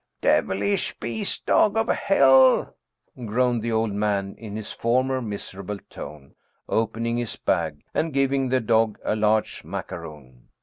" Devilish beast dog of hell !" groaned the old man in his former miserable tone, opening his bag and giving the dog a large macaroon.